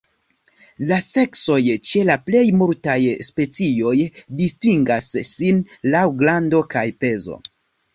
La seksoj ĉe la plej multaj specioj distingas sin laŭ grando kaj pezo.